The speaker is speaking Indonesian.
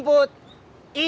bapak saya ke sini